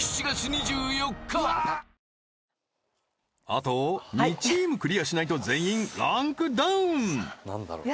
あと２チームクリアしないと全員ランクダウンなんだろう？